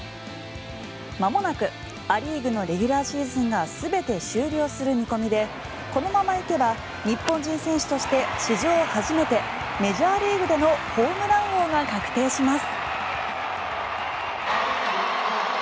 まもなくア・リーグのレギュラーシーズンが全て終了する見込みでこのままいけば日本人選手として史上初めてメジャーリーグでのホームラン王の確定します。